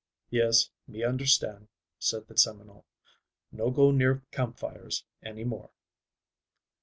"Yes, me understand," said the Seminole. "No go near campfires any more."